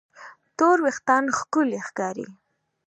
تور وېښتيان ښکلي ښکاري.